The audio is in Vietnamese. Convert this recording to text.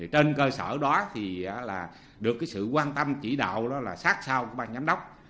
trên cơ sở đó được sự quan tâm chỉ đạo sát sau của bác nhánh đốc